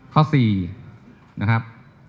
ข้อ๔นะครับ